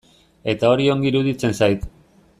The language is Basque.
Eta hori ongi iruditzen zait.